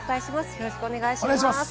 よろしくお願いします。